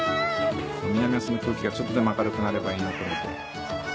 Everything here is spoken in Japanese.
南阿蘇の空気がちょっとでも明るくなればいいなと思って。